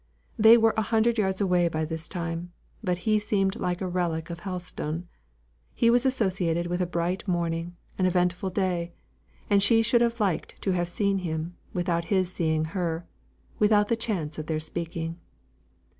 They were a hundred yards away by this time; but he seemed like a relic of Helstone he was associated with a bright morning, an eventful day, and she should have liked to have seen him, without his seeing her, without the chance of their speaking.